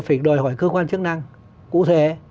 phải đòi hỏi cơ quan chức năng cụ thể